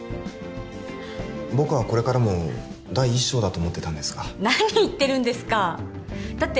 僕はこれからも第一章だと思ってたんですが何言ってるんですかだって